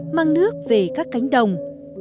mang nước về các cánh đồng